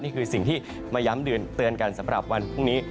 นี่คือสิ่งที่มาย้ำเตือนกันสำหรับวันพรุ่งนี้